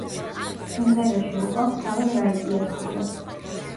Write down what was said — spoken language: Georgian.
სიმღერაში ვოკალს თავად რაიტი ასრულებს.